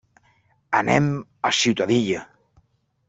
Anem a Ciutadilla.